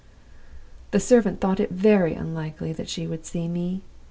The servant thought it very unlikely that she would see me.